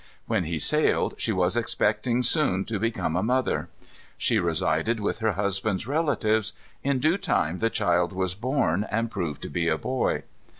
When he sailed she was expecting soon to become a mother. She resided with her husband's relatives. In due time the child was born, and proved to be a boy.